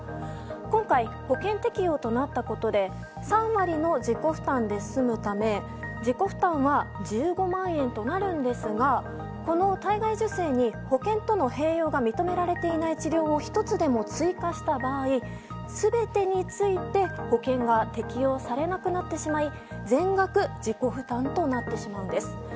今回、保険適用となったことで３割の自己負担で済むため自己負担は１５万円となるんですがこの体外受精に保険との併用が認められていない治療を１つでも追加した場合全てについて保険が適用されなくなってしまい全額自己負担となってしまうんです。